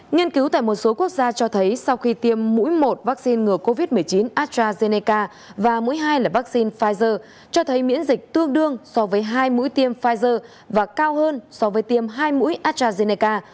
nghiên cứu tại một số quốc gia cho thấy sau khi tiêm mũi một vaccine ngừa covid một mươi chín astrazeneca và mũi hai là vaccine pfizer cho thấy miễn dịch tương đương so với hai mũi tiêm pfizer và cao hơn so với tiêm hai mũi astrazeneca